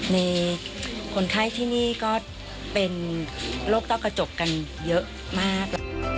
ในคนไข้ที่นี่ก็เป็นโรคต้อกระจกกันเยอะมาก